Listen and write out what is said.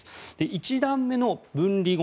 １段目の分離後